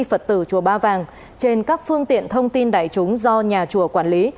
phật tử chùa ba vàng trên các phương tiện thông tin đại chúng do nhà chùa quản lý